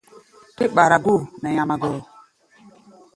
Wa dé ɓaro-góo nɛ nyamagɔrɔ.